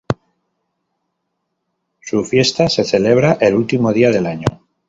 Su fiesta se celebra el último día del año.